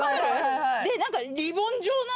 で何か。